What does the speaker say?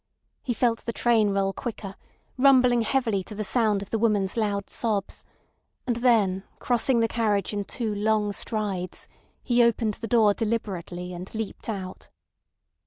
He felt the train roll quicker, rumbling heavily to the sound of the woman's loud sobs, and then crossing the carriage in two long strides he opened the door deliberately, and leaped out.